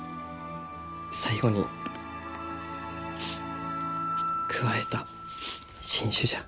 最後に加えた新種じゃ。